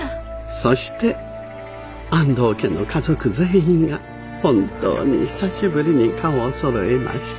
そして安東家の家族全員が本当に久しぶりに顔をそろえました。